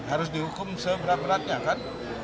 harus dihukum seberat beratnya kan